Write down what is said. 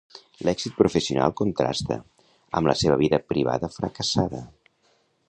L'èxit professional contrasta amb la seva vida privada fracassada.